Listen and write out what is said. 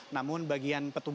namun bagian kota ini sudah surut